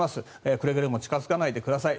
くれぐれも近付かないでください。